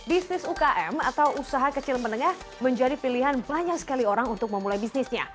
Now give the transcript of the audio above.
bisnis ukm atau usaha kecil menengah menjadi pilihan banyak sekali orang untuk memulai bisnisnya